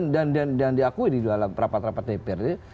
dan diakui di dalam rapat rapat dprd